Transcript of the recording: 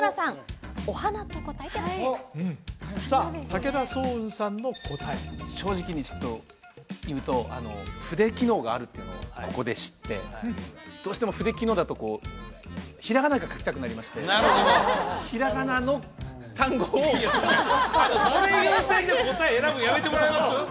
武田双雲さんの答え正直にちょっと言うと筆機能があるっていうのをここで知ってどうしても筆機能だとひらがなが書きたくなりましてなるほどひらがなの単語をそれ優先で答え選ぶのやめてもらえます？